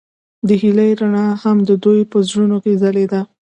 د هیلې رڼا هم د دوی په زړونو کې ځلېده.